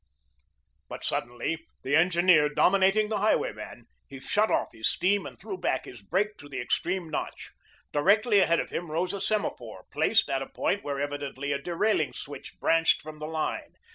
But suddenly the engineer dominating the highway man he shut off his steam and threw back his brake to the extreme notch. Directly ahead of him rose a semaphore, placed at a point where evidently a derailing switch branched from the line.